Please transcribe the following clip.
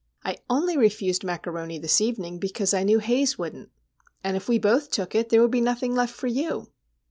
I only refused macaroni this evening because I knew Haze wouldn't; and if we both took it, there would be nothing left for you.